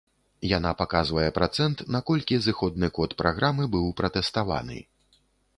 Яна паказвае працэнт, наколькі зыходны код праграмы быў пратэставаны.